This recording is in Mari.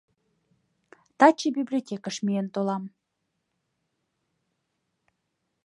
— Таче библиотекыш миен толам.